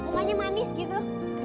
mukanya manis gitu